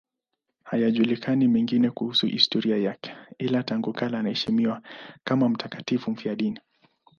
Hayajulikani mengine kuhusu historia yake, ila tangu kale anaheshimiwa kama mtakatifu mfiadini.